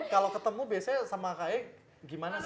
kalau ketemu biasanya sama kak e gimana sih